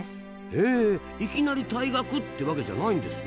へえいきなり退学ってわけじゃないんですな。